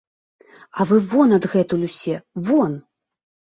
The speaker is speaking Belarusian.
А вы вон адгэтуль усе, вон!